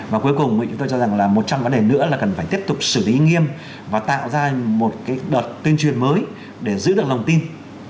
và cuối cùng thì chúng tôi cho rằng là một trong vấn đề nữa là cần phải tiếp tục xử lý nghiêm và tạo ra một cái đợt tuyên truyền mới để giữ được lòng tin